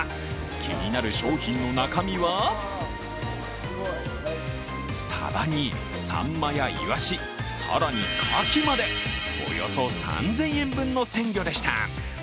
気になる商品の中身は、サバにサンマやいわし、更にかきまでおよそ３０００円分の鮮魚でした。